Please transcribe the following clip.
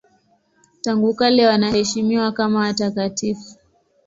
Tangu kale wanaheshimiwa kama watakatifu.